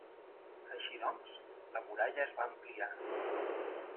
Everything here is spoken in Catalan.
Així doncs, la muralla es va ampliar.